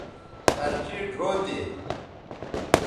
خرچیئ ڙھؤ تے